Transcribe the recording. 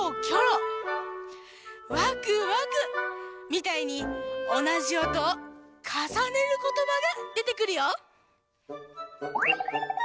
みたいにおなじおとをかさねることばがでてくるよ。